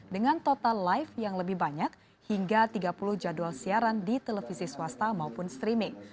dengan total live yang lebih banyak hingga tiga puluh jadwal siaran di televisi swasta maupun streaming